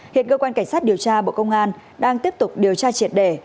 hiện cơ quan cảnh sát điều tra bộ công an đang tiếp tục điều tra triệt đề